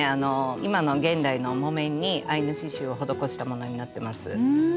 今の現代の木綿にアイヌ刺しゅうを施したものになってます。